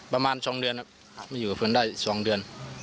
ประมาณ๒เดือนมาอยู่กับเพื่อนได้๒เดือน